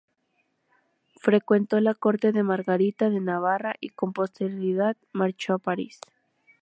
Frecuentó la corte de Margarita de Navarra, y con posterioridad marchó a París.